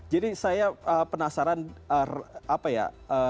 jadi saya penasaran apa ya